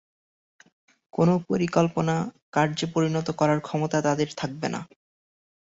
কোনো পরিকল্পনা কার্যে পরিণত করার ক্ষমতা তাদের থাকবে না।